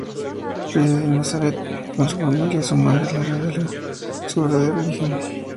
Reside en Nazaret con su familia y su madre le revela su verdadero origen.